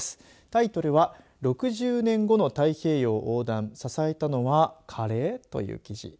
タイトルは６０年後の太平洋横断支えたのはカレー！？という記事。